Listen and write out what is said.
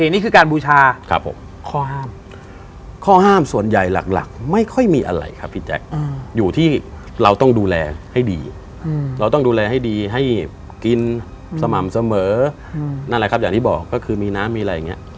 นั่นแหละครับอย่างที่บอกก็คือมีน้ำมีอะไรอย่างนี้